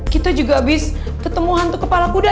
kita juga abis ketemu hantu kepala kuda